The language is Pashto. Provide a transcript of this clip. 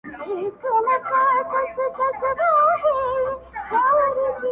• زمری راغی زه یې وویشتم له مځکي -